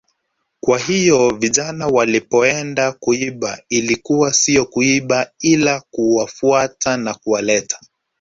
Kwa hiyo vijana walipoenda kuiba ilikuwa sio kuiba ila kuwafuata na kuwaleta